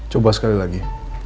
coba sekali lagi